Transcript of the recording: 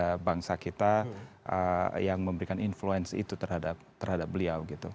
ada bangsa kita yang memberikan influence itu terhadap beliau gitu